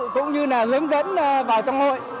cũng như hướng dẫn vào trong hội